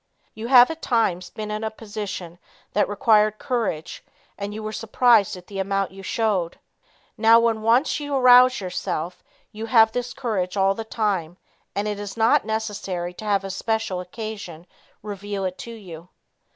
You have at times been in a position that required courage and you were surprised at the amount you showed. Now, when once you arouse yourself, you have this courage all the time and it is not necessary to have a special occasion reveal it to you.